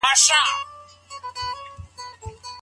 که مېرمني ځانګړی عايد درلود هغه د چا حق دی؟